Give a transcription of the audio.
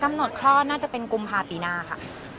กำหนดคลอดน่าจะเป็นกุมภาปีหน้าค่ะ